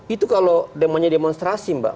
itu kalau demanya demonstrasi mbak